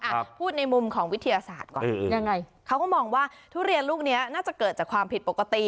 พูดในมุมของวิทยาศาสตร์ก่อนยังไงเขาก็มองว่าทุเรียนลูกเนี้ยน่าจะเกิดจากความผิดปกติ